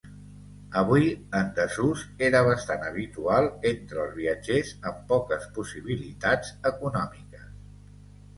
Avui en desús, era bastant habitual entre els viatgers amb poques possibilitats econòmiques.